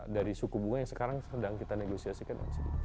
dari suku bunga yang sekarang sedang kita negosiasikan